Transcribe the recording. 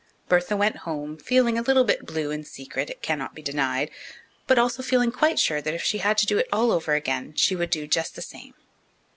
Bertha went home, feeling a little bit blue in secret, it cannot be denied, but also feeling quite sure that if she had to do it all over again, she would do just the same.